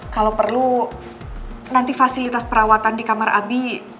kalau perlu nanti fasilitas perawatan di kamar abi